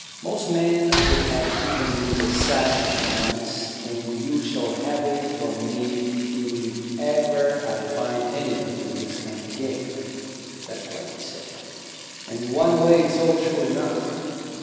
Most men would have given you the sack at once, and you shall have it from me if ever I find anything of this kind again." That's what he said. And in one way it's all true enough.